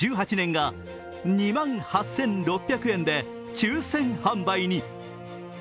１８年が２万８６００円で抽選販売に。